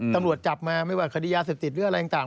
ตำรวจจับมาไม่ว่าคดียาเสพติดหรืออะไรต่าง